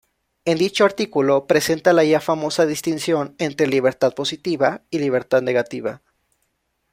En dicho artículo presenta la ya famosa distinción entre libertad positiva y libertad negativa.